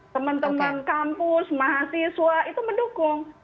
teman teman kampus mahasiswa itu mendukung